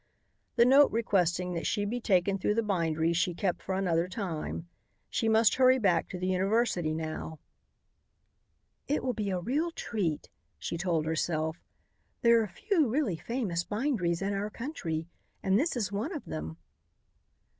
The note requesting that she be taken through the bindery she kept for another time. She must hurry back to the university now. "It will be a real treat," she told herself. "There are few really famous binderies in our country. And this is one of them."